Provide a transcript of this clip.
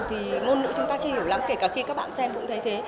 thì ngôn ngữ chúng ta chưa hiểu lắm kể cả khi các bạn xem cũng thấy thế